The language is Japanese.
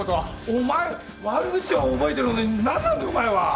お前悪口は覚えてるのに何なんだお前は。